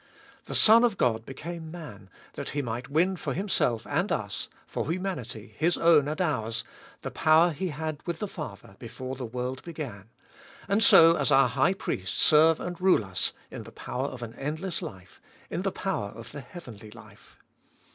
The Son of God became Man that He might win for Himself and us, for humanity, His own and ours, the power He had with the Father before the world began, and so as our High Priest serve and rule us in the power of an endless life, in the power of the heavenly life.